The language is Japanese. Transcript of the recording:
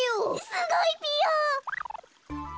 すごいぴよ！あっ。